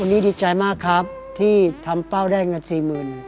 วันนี้ดีใจมากครับที่ทำเป้าได้เงินสี่หมื่น